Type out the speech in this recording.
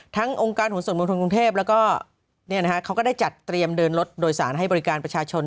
องค์การขนส่วนมวลชนกรุงเทพแล้วก็เขาก็ได้จัดเตรียมเดินรถโดยสารให้บริการประชาชน